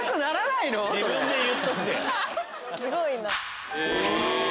すごいな。